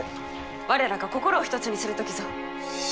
我らが心を一つにする時ぞ。